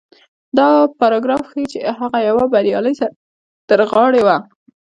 دا پاراګراف ښيي چې هغه يوه بريالۍ سندرغاړې وه.